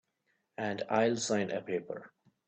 And I'll sign a paper.